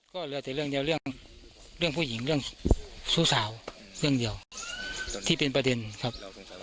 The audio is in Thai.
ก็เหลือแต่เรื่องเดียวเรื่องเรื่องผู้หญิงเรื่องชู้สาวเรื่องเดียวที่เป็นประเด็นครับ